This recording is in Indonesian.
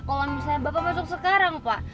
kalau misalnya bapak masuk sekarang pak